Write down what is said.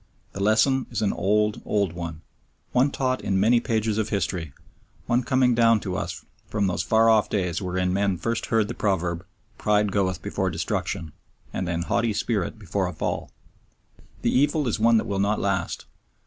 The lesson is an old, old one one taught in many pages of history, one coming down to us from those far off days wherein men first heard the proverb, "Pride goeth before destruction, and an haughty spirit before a fall." The evil is one that will not last.